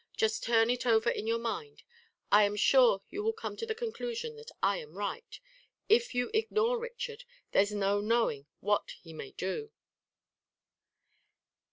Just turn it over in your mind. I am sure you will come to the conclusion that I am right. If you ignore Richard, there's no knowing what he may do."